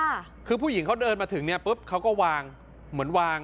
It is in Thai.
ค่ะคือผู้หญิงเขาเดินมาถึงเนี้ยปุ๊บเขาก็วางเหมือนวาง